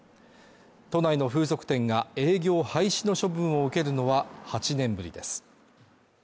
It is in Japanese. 都内の風俗店が営業廃止の処分を受けるのは８年ぶりです